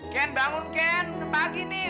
ken bangun ken pagi nih